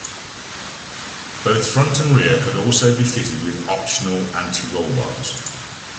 Both front and rear could also be fitted with optional anti-roll bars.